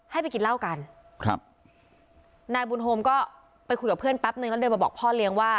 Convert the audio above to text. ให้ไปกินเหล้ากันครับนายบุญโฮมก็ไปคุยกับเพื่อนแป๊บนึงแล้วเดินมาบอกพ่อเลี้ยงว่า